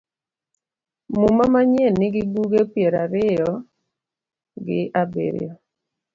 Muma manyien Nigi buge piero ariyo gi abirio